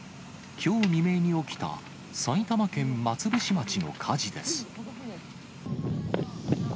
きょう未明に起きた埼玉県松伏町の火事です。